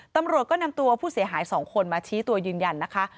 ตำรวจก็นำตัวผู้เสียหาย๒คนมาชี้ตัวยืนยันนะคะ